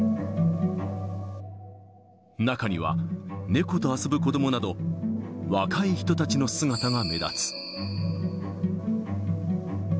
中には、猫と遊ぶ子どもなど、若い人たちの姿が目立つ。